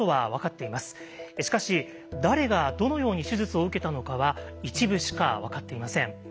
しかし誰がどのように手術を受けたのかは一部しか分かっていません。